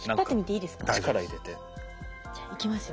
じゃあいきますよ。